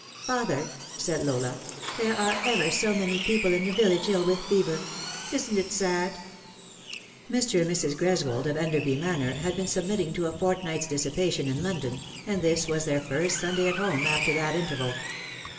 " FATHER," said Lola, " there are ever so many people in the village ill with fever. Isn't it sad ?" Mr. and Mrs. Greswold, of Enderby Manor, had been sub mitting to a fortnight's dissipation in London, and this was their first Sunday at home after that interval.